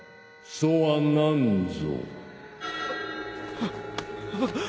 そは何ぞ。